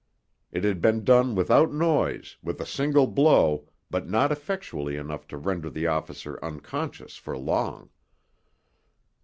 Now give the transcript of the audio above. It had been done without noise, with a single blow, but not effectually enough to render the officer unconscious for long.